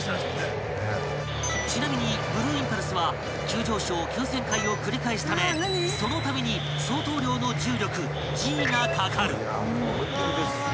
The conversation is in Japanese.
［ちなみにブルーインパルスは急上昇急旋回を繰り返すためそのたびに相当量の重力Ｇがかかる］